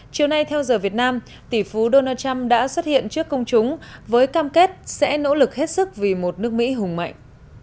chiều nay theo giờ việt nam tỷ phú donald trump đã xuất hiện trước công chúng với cam kết sẽ nỗ lực hết sức vì một nước mỹ hùng mạnh